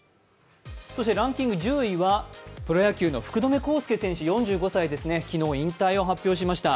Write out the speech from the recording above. ランキング１０位はプロ野球の福留孝介選手、４５歳ですね、昨日引退を発表しました。